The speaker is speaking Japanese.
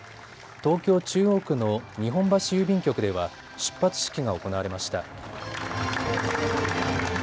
東京中央区の日本橋郵便局では出発式が行われました。